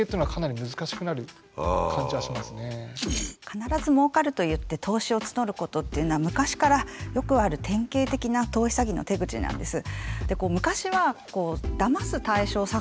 必ずもうかると言って投資を募ることっていうのは昔からよくある典型的な投資詐欺の手口なんです。